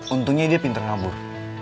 untungnya dia pinter ngabur